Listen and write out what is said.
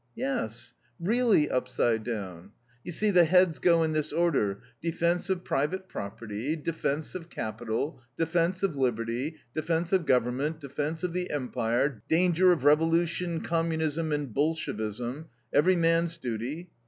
"Yes. Really upside down. You see, the heads go in this order Defence of Private Property; Defence of Capital; Defence of Liberty; Defence of Government; Defence of the Empire; Danger of Revolution, Communism and Bolshevism; Every Man's Duty.